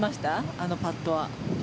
あのパットは。